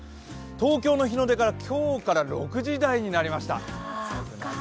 東京の日の出が今日から６時台になりました。